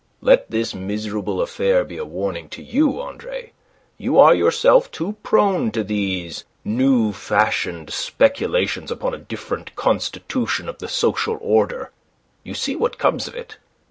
Let this miserable affair be a warning to you, Andre. You are, yourself, too prone to these new fashioned speculations upon a different constitution of the social order. You see what comes of it.